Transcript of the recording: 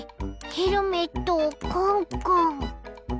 ヘルメットをコンコン。